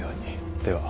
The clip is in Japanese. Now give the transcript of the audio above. では。